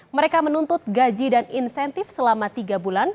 mereka menuntut gaji dan insentif selama tiga bulan